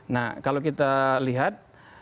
nah kalau kita lihat